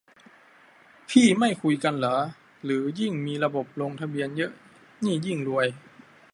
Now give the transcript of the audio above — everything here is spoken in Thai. พี่ไม่คุยกันเหรอ หรือยิ่งมีระบบลงทะเบียนเยอะนี่ยิ่งรวย ?